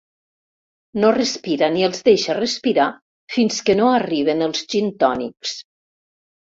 No respira ni els deixa respirar fins que no arriben els gintònics.